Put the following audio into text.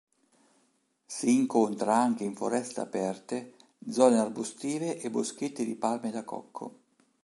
Si incontra anche in foreste aperte, zone arbustive e boschetti di palme da cocco.